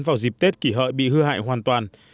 vào dịp tết kỷ hợi bị hư hại hoàn toàn